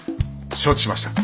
承知しました。